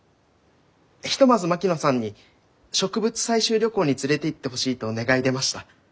ひとまず槙野さんに植物採集旅行に連れていってほしいと願い出ました。